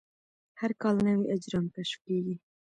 هر کال نوي اجرام کشف کېږي.